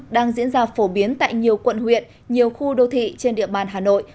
đang diễn ra phổ biến tại nhiều quận huyện nhiều khu đô thị trên địa bàn hà nội